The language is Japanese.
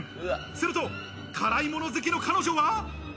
すると辛いもの好きの彼女は。